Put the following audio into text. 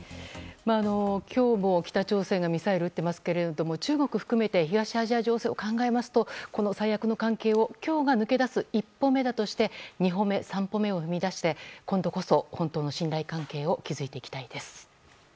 今日も北朝鮮がミサイルを打っていますが中国含めて東アジア情勢を考えますと、最悪の関係を今日が抜け出す一歩だとして２歩目、３歩目を踏み出して今度こそ本当の信頼関係を築いていきたいです。